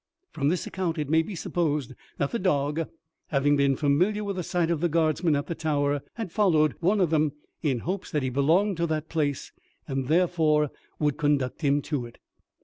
From this account it may be supposed that the dog, having been familiar with the sight of Guardsmen at the Tower, had followed one of them in hopes that he belonged to that place, and therefore would conduct him to it.